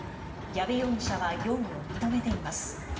矢部容疑者は容疑を認めています。